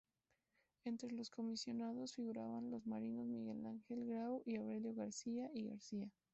Entre los comisionados figuraban los marinos Miguel Grau y Aurelio García y García.